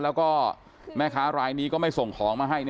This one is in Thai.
แล้วก็แม่ค้ารายนี้ก็ไม่ส่งของมาให้